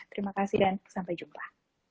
terima kasih dan sampai jumpa